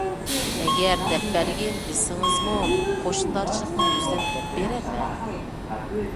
ئەگەر دەپ بەرگىن دېسىڭىزمۇ، قوشنىدارچىلىقنىڭ يۈزىدىن دەپ بېرەرمەن.